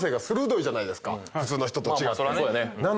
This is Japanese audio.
普通の人と違って。